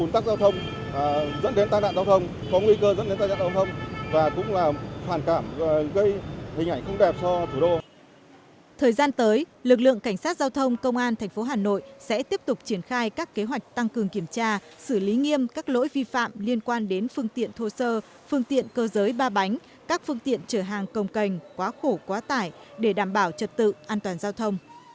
trước tình hình này lực lượng cảnh sát giao thông công an tp hà nội đồng loạt gia quân tuần tra xử lý các trường hợp xe máy xe máy trở hàng quá khổ quá tải và các xe kéo tự chế